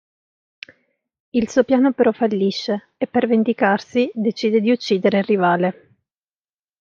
Il suo piano però fallisce e, per vendicarsi, decide di uccidere il rivale.